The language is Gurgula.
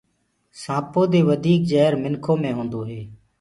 سآنٚپو دي وڌيڪ جهر منکو مي هونٚدوئي